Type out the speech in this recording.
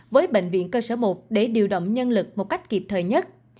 với bệnh viện cơ sở một để điều động nhân lực một cách kịp thời nhất